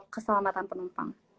untuk keselamatan penumpang